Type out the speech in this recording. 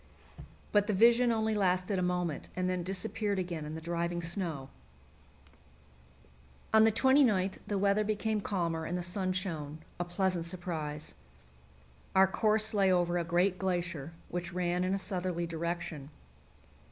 But the vision only lasted a moment, and then disappeared again in the driving snow. On the 29th the weather became calmer and the sun shone a pleasant surprise. Our course lay over a great glacier, which ran in a southerly direction.